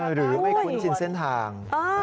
หรือไม่คุ้นชินเส้นทาง